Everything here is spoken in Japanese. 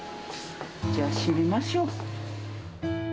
じゃあ、閉めましょう。